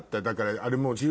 だからあれもう。